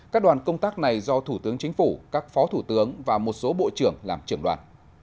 các đoàn công tác này do thủ tướng chính phủ các phó thủ tướng và một số bộ trưởng làm trưởng đoàn